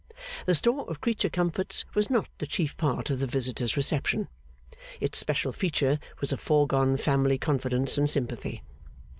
The store of creature comforts was not the chief part of the visitor's reception. Its special feature was a foregone family confidence and sympathy.